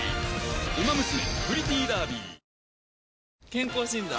健康診断？